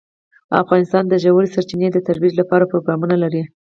افغانستان د ژورې سرچینې د ترویج لپاره پروګرامونه لري.